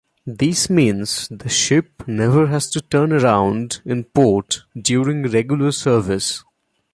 This means the ship never has to turn around in port during regular service.